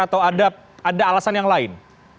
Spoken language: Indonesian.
atau ada alasan yang lain